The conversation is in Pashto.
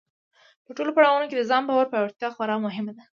په ټولو پړاوونو کې د ځان باور پیاوړتیا خورا مهمه ده.